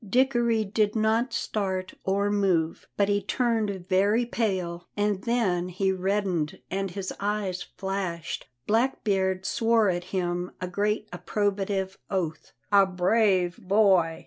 Dickory did not start or move, but he turned very pale, and then he reddened and his eyes flashed. Blackbeard swore at him a great approbative oath. "A brave boy!"